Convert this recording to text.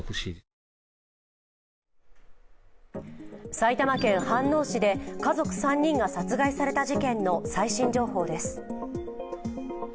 埼玉県飯能市で家族３人が殺害された事件の最新情報です。